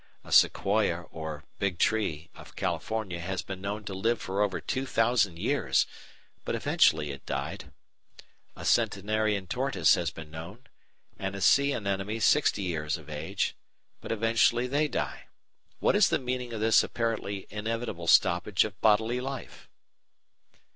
A Sequoia or "Big Tree" of California has been known to live for over two thousand years, but eventually it died. A centenarian tortoise has been known, and a sea anemone sixty years of age; but eventually they die. What is the meaning of this apparently inevitable stoppage of bodily life?